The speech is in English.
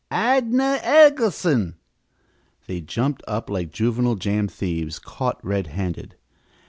"Adnah Eggleson!" They jumped like juvenile jam thieves caught red handed.